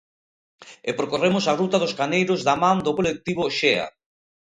E percorremos a ruta dos Caneiros da man do Colectivo Xea.